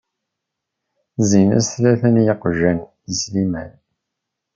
Zzin-as tlata n yeqjan i Sliman.